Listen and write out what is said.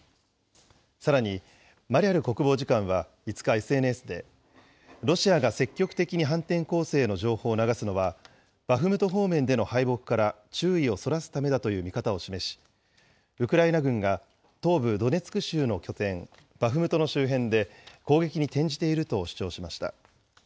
さらに、マリャル国防次官は５日、ＳＮＳで、ロシアが積極的に反転攻勢の情報を流すのは、バフムト方面での敗北から注意をそらすためだという見方を示し、ウクライナ軍が東部ドネツク州の拠点、バフムトの周辺で攻撃に転じていると主張しました。